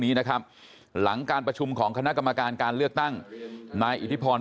นี้นะครับหลังการประชุมของคณะกรรมการการเลือกตั้งนายอิทธิพร